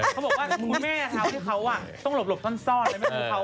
เขาบอกว่าคุณแม่จ้าที่เขาอ่ะต้องหลบหลบช้อนซ่อนว่าไม่มีเขา